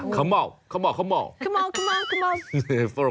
ข้าวเมาข้าวเมาข้าวเมาข้าวเมาข้าวเมา